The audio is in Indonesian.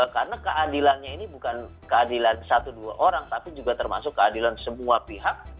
karena keadilannya ini bukan keadilan satu dua orang tapi juga termasuk keadilan semua pihak